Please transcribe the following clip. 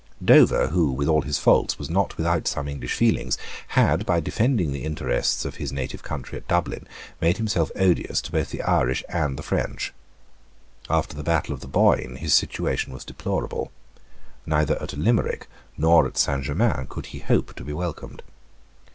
Dover, who, with all his faults, was not without some English feelings, had, by defending the interests of his native country at Dublin, made himself odious to both the Irish and the French. After the battle of the Boyne his situation was deplorable. Neither at Limerick nor at Saint Germains could he hope to be welcomed.